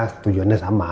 ya tujuannya sama